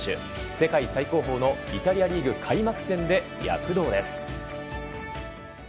世界最高峰のイタリアリーグ開幕戦で躍動です。